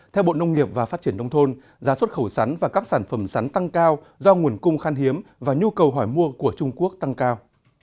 theo bộ nông nghiệp và phát triển nông thôn giá xuất khẩu sắn và các sản phẩm sắn tăng cao do nguồn cung khan hiếm và nhu cầu hỏi mua của trung quốc tăng cao